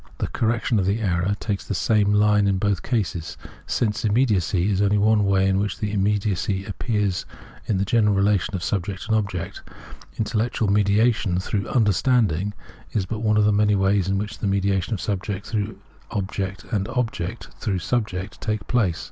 The; correction of the error takes the same line in both cases.; Sense immediacy is only one way in which immediacy appears in the general relation of subject and object ; intellectual mediation through ' understanding ' is but one of the many ways in which the mediation of subject through object and object through subject takes place..